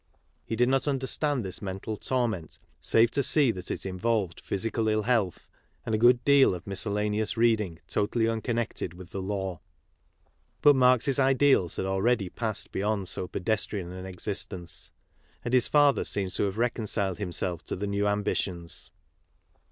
He did not understand this mental torment save to see that it involved physical ill health and a good deal of miscellaneous reading totally unconnected with the law. But Marx's ideals had already passed beyond so pedes trian an existence; and his father seems to have reconciled himself to the new ambitions.